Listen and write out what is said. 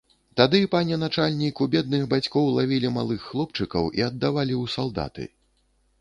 Тады, пане начальнік, у бедных бацькоў лавілі малых хлопчыкаў і аддавалі ў салдаты.